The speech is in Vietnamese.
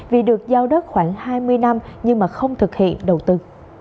vì được giao đất khoảng hai mươi năm nhưng mà không thực hiện đầu tư